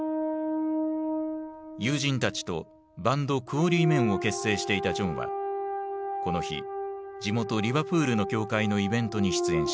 友人たちとバンドクオリー・メンを結成していたジョンはこの日地元リバプールの教会のイベントに出演した。